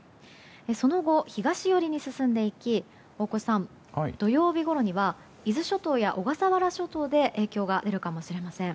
その後、東寄りに進んでいき大越さん、土曜日ごろには伊豆諸島や小笠原諸島で影響が出るかもしれません。